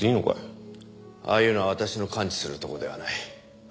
ああいうのは私の関知するところではない。